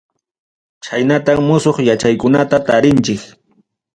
Chaynatam musuq yachaykunata tarinchik.